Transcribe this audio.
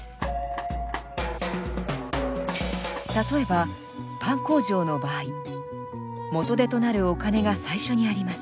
例えばパン工場の場合元手となるお金が最初にあります。